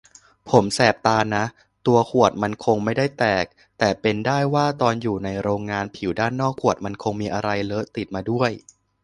ผมแสบตานะ ตัวขวดมันคงไม่ได้แตก แต่เป็นได้ว่าตอนอยู่ในโรงงานผิวด้านนอกขวดมันคงมีอะไรเลอะติดมาด้วย